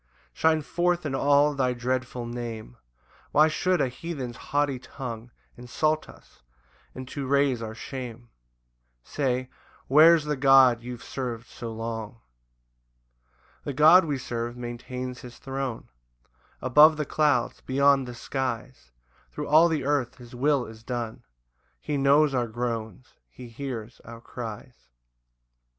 2 Shine forth in all thy dreadful Name; Why should a heathen's haughty tongue Insult us, and to raise our shame Say, "Where's the God you've serv'd so long?" 3 The God we serve maintains his throne Above the clouds, beyond the skies, Thro' all the earth his will is done, He knows our groans, he hears our cries.